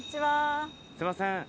すみません